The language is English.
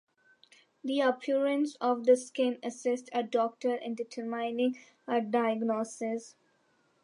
The appearance of the skin assists a doctor in determining a diagnosis.